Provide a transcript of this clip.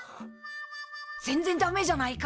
全然ダメじゃないか。